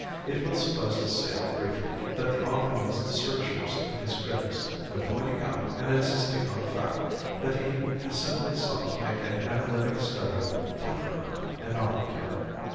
It will suffice to say, briefly, that the author meets the strictures of his critics by pointing out and insisting on the fact, that he has simply sought to make an analytic study of temperament and not of character.